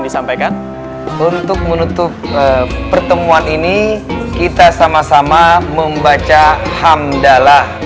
disampaikan untuk menutup pertemuan ini kita sama sama membaca hamdalah